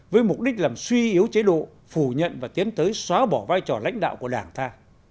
với mục đích làm suy yếu chế độ phủ nhận và tiến tới xóa bỏ vai trò lãnh đạo của đảng ta